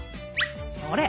それ！